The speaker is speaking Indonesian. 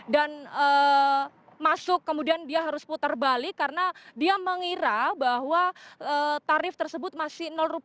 dan masuk kemudian dia harus putar balik karena dia mengira bahwa tarif tersebut masih rupiah atau digratiskan